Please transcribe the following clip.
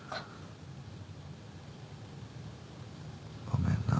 ごめんな。